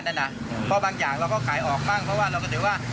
นั่นอ่ะเพราะบางอย่างเราก็ขายออกบ้างเพราะว่าเราก็ถือว่า